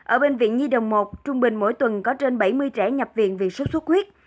ở bệnh viện nhi đồng một trung bình mỗi tuần có trên bảy mươi trẻ nhập viện vì sốt xuất huyết